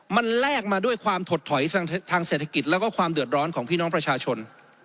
มันแลกมาด้วยความถดถอยทางเศรษฐกิจแล้วก็ความเดือดร้อนของพี่น้องประชาชน